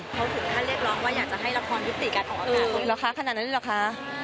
เขาถึงท่านเรียกร้องว่าอยากจะให้ละครพิศติกันของราคาขนาดนั้นหรือละคะ